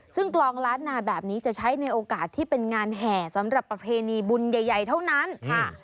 ซึ่งกลองล้านนาแบบนี้จะใช้ในโอกาสที่เป็นงานแห่สำหรับประเพณีบุญใหญ่เท่านั้นค่ะ